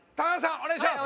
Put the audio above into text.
お願いします。